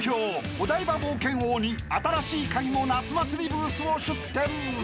お台場冒険王に『新しいカギ』も夏祭りブースを出展］